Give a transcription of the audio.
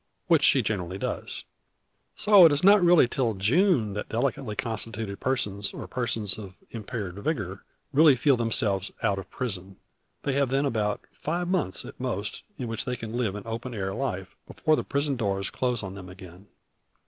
'" Which she generally does. So it is not really till June that delicately constituted persons, or persons of impaired vigor, really feel themselves out of prison. They have then about five months at most in which they can live an open air life, before the prison doors close on them again.